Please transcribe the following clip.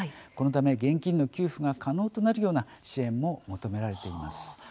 このため現金の給付が可能となるような支援も求められています。